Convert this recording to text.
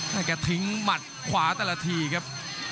แกทิ้งหมัดขวาแต่ละทีครับ